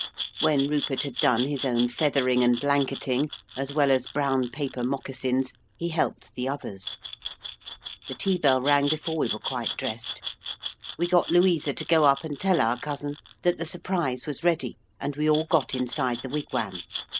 When Rupert had done his own feathering and blanketing, as well as brown paper moccasins, he helped the others. The tea bell rang before we were quite dressed. We got Louisa to go up and tell our cousin that the surprise was ready, and we all got inside the wigwam.